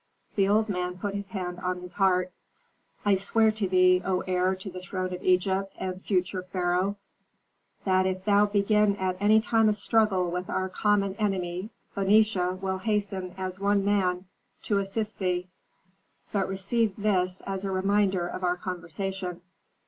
The old man put his hand on his heart. "I swear to thee, O heir to the throne of Egypt and future pharaoh, that if thou begin at any time a struggle with our common enemy, Phœnicia will hasten as one man to assist thee. But receive this as a reminder of our conversation."